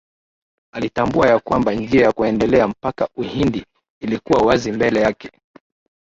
Alitambua ya kwamba njia ya kuendelea mpaka Uhindi ilikuwa wazi mbele yake